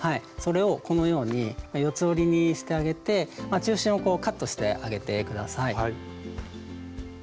それをこのように四つ折りにしてあげて中心をカットしてあげて下さい。